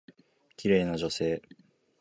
綺麗な女性。